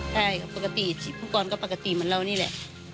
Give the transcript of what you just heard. ใช่ครับปกติผู้กรก็ปกติเหมือนเรานี่แหละ